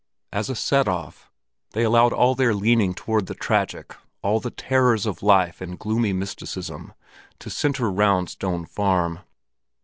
As a set off they allowed all their leaning toward the tragic, all the terrors of life and gloomy mysticism, to center round Stone Farm.